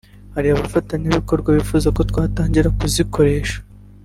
Hari abafatanyabikorwa bifuza ko twatangira kuzikoresha